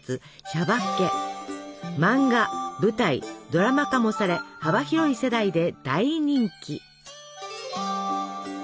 漫画舞台ドラマ化もされ幅広い世代で大人気。